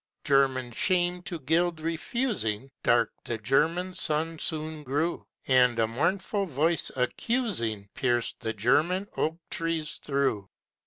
German shame to gild refusing, Dark the German sun soon grew, And a mournful voice accusing Pierced the German oak trees through.